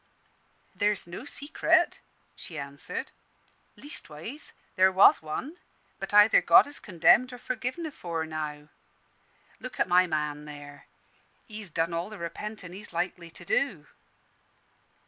"There's no secret," she answered. "Leastways, there was one, but either God has condemned or forgiven afore now. Look at my man there; he's done all the repentin' he's likely to do."